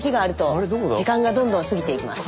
時間がどんどん過ぎていきます。